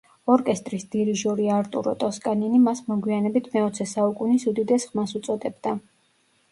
ორკესტრის დირიჟორი არტურო ტოსკანინი მას მოგვიანებით „მეოცე საუკუნის უდიდეს ხმას“ უწოდებდა.